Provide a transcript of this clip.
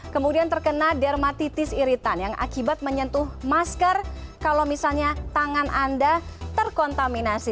kemudian terkena dermatitis iritan yang akibat menyentuh masker kalau misalnya tangan anda terkontaminasi